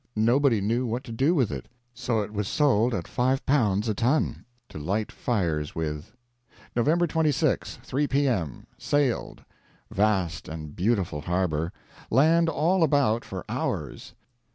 Nobody knew what to do with it; so it was sold at L5 a ton, to light fires with. November 26 3 P.M., sailed. Vast and beautiful harbor. Land all about for hours.